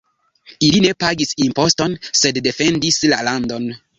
Ili ne pagis imposton, sed defendis la landon.